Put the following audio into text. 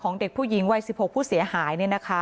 ของเด็กผู้ยิงไว้๑๖ผู้เสียหาย